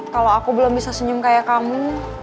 kalau aku belum bisa senyum kayak kamu